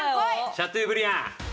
シャトーブリアン！